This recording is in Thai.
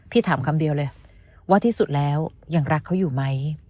ถามคำเดียวเลยว่าที่สุดแล้วยังรักเขาอยู่ไหม